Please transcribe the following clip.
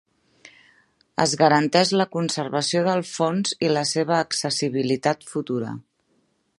Es garanteix la conservació dels fons i la seva accessibilitat futura.